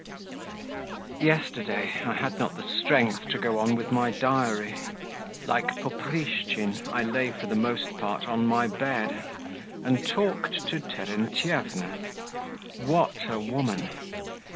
_ Yesterday I had not the strength to go on with my diary; like Poprishtchin, I lay, for the most part, on my bed, and talked to Terentyevna. What a woman!